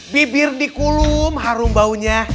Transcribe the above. bibir dikulum harum baunya